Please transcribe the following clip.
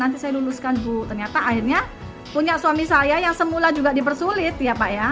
nanti saya luluskan bu ternyata akhirnya punya suami saya yang semula juga dipersulit ya pak ya